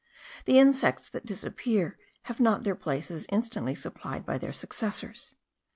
The insects that disappear have not their places instantly supplied by their successors.